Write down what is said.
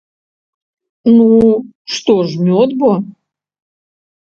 Ну, што ж мёд бо?